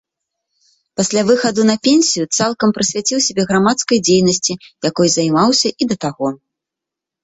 Пасля выхаду на пенсію цалкам прысвяціў сябе грамадскай дзейнасці, якой займаўся і да таго.